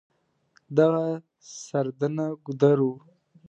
دغه سردنه ګودر و.